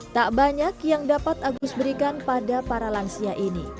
tak banyak yang dapat agus berikan pada para lansia ini